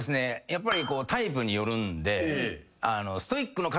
やっぱりタイプによるんで。